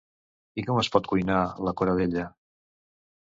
I com es pot cuinar, la coradella?